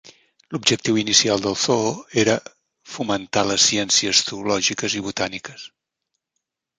L'objectiu inicial del zoo era fomentar les ciències zoològiques i botàniques.